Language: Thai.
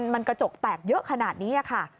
มันกระจกแตกเยอะขนาดนี้ค่ะ